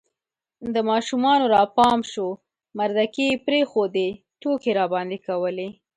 د ماشومانو را پام سو مردکې یې پرېښودې، ټوکې یې راباندې کولې